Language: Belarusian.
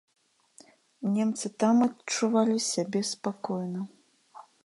Немцы там адчувалі сябе спакойна.